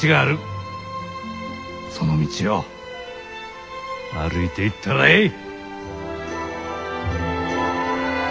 その道を歩いていったらえい！